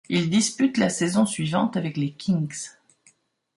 Il dispute la saison suivante avec les Kings.